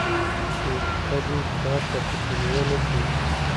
چې ته دې پلار په کوچينوالي کې